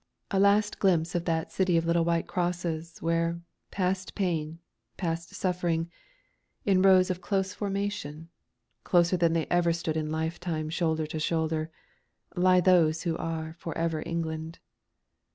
A last glimpse of that City of Little White Crosses, where, past pain, past suffering, in rows of close formation closer than they ever stood in lifetime shoulder to shoulder lie those who are "for ever England."